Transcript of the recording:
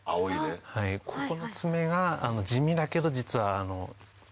ここの爪が地味だけど実は。